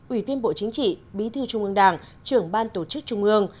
ủy viên bộ chính trị bí thư trung ương đảng trưởng ban tổ chức trung ương